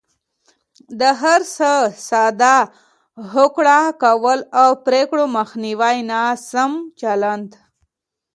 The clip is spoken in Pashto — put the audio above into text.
د هر څه سره ساده هوکړه کول او پرېکړو مخنیوی ناسم چلند دی.